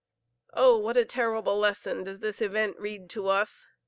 Oh, what a terrible lesson does this event read to us!